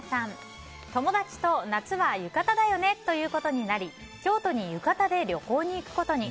友達と夏は浴衣だよねということになり京都に浴衣で旅行に行くことに。